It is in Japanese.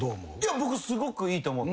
僕すごくいいと思って。